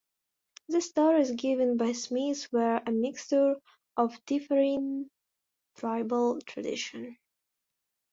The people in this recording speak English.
The stories given by Smith were a mixture of differing tribal tradition.